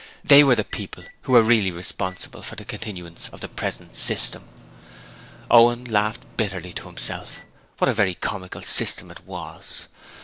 THEY were the people who were really responsible for the continuance of the present system. Owen laughed bitterly to himself. What a very comical system it was.